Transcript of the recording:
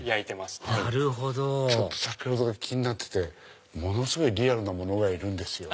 なるほど先ほどから気になっててすごいリアルなものがいるんです。